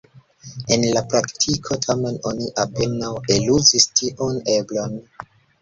En la praktiko tamen, oni apenaŭ eluzis tiun eblon.